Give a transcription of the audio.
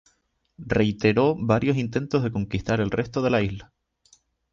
Reiteró varios intentos de conquistar el resto de la isla.